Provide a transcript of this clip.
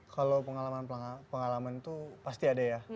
kalau pengalaman pengalaman itu pasti ada ya